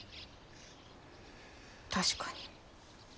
確かに。